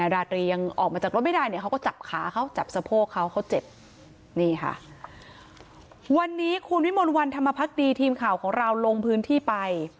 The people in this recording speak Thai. ราธรียังออกมาจากรถไม่ได้เนี่ยเขาก็จับขาเขาจับสะโพกเขาเขาเจ็บนี่ค่ะวันนี้คุณวิมวลวันธรรมพักดีทีมข่าวของเราลงพื้นที่ไป